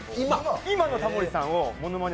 今のタモリさんのものまね